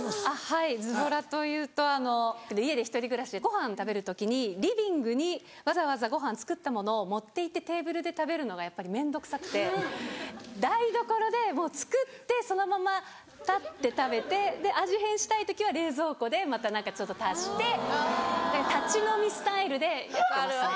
はいズボラというと家で１人暮らしでご飯食べる時にリビングにわざわざご飯作ったものを持っていってテーブルで食べるのがやっぱり面倒くさくて台所でもう作ってそのまま立って食べて味変したい時は冷蔵庫でまた何かちょっと足して立ち飲みスタイルでやってますね。